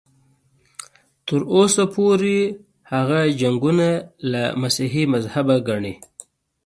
تر اوسه پورې هغه جنګونه له مسیحي مذهبه ګڼي.